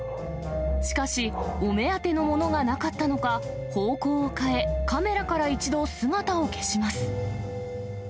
しかし、お目当てのものがなかったのか、方向を変え、カメラから一度姿を消します。